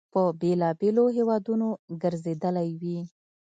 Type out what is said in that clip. په بېلابېلو هیوادونو ګرځېدلی وي.